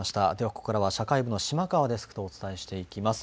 ここからは社会部の島川さんとお伝えしていきます。